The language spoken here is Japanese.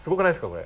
これ。